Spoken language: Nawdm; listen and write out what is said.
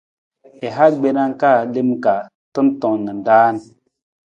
I ha gbena ka lem ka tantong na raan.